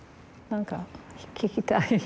何か聞きたい。